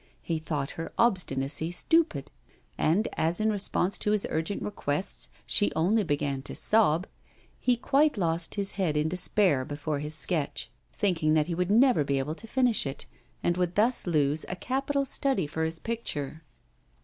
He thought her obstinacy stupid. And as in response to his urgent requests she only began to sob, he quite lost his head in despair before his sketch, thinking that he would never be able to finish it, and would thus lose a capital study for his picture.